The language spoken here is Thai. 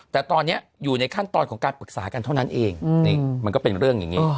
แต่ตอนนี้อยู่ในขั้นตอนของการปรึกษากันเท่านั้นเองมันก็เป็นเรื่องอย่างนี้